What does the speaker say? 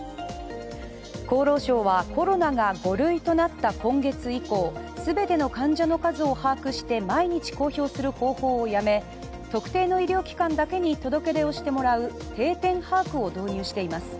厚労省はコロナが５類となった今月以降、全ての患者の数を把握して毎日公表する方法をやめ特定の医療機関だけに届出をしてもらう定点把握を導入しています。